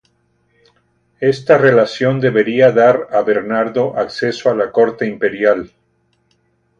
Esta relación debería dar a Bernardo acceso a la corte imperial.